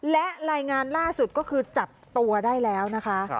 และรายงานล่าสุดก็คือจับตัวได้แล้วนะคะ